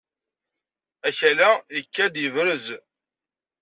Akal-a ikad-d yebzeg.